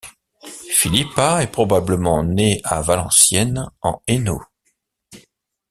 Philippa est probablement née à Valenciennes en Hainaut.